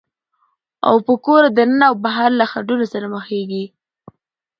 او په کوره دننه او بهر له خنډونو سره مخېږي،